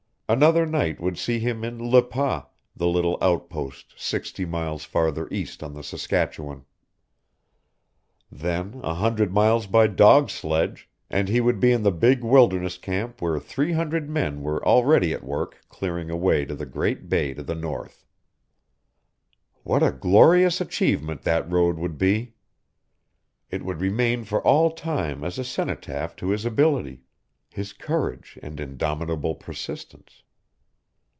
Another night would see him in Le Pas, the little outpost sixty miles farther east on the Saskatchewan. Then a hundred miles by dog sledge and he would be in the big wilderness camp where three hundred men were already at work clearing a way to the great bay to the north. What a glorious achievement that road would be! It would remain for all time as a cenotaph to his ability, his courage and indomitable persistence.